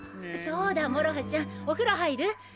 そうだもろはちゃんお風呂入る？